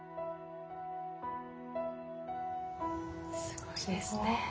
すごいですね。